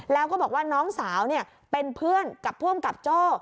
แล้วก็บอกว่าน้องสาวเป็นเพื่อนกับผู้อำกับโจ้